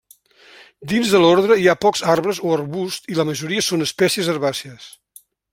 Dins de l'ordre hi ha pocs arbres o arbusts i la majoria són espècies herbàcies.